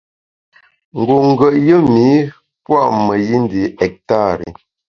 Ngu ngùet yùm ’i pua’ meyi ndi ektari.